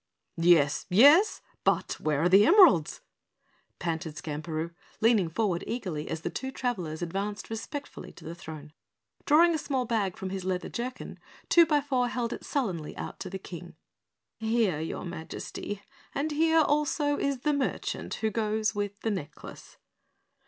"Yes! Yes? But where are the emeralds?" panted Skamperoo, leaning forward eagerly as the two travelers advanced respectfully to the throne. Drawing a small bag from his leather jerkin, Twobyfour held it sullenly out to the King. "Here, your Majesty, and here also is the merchant who goes with the necklace."